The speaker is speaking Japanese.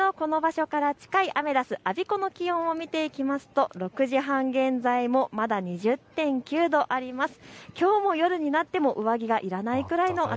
さて千葉県内のこの場所から近いアメダス、我孫子の気温を見ていきますと６時半現在もまだ２０．９度あります。